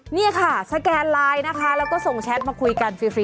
นี่ค่ะสแกนไลน์นะคะแล้วก็ส่งแชทมาคุยกันฟรี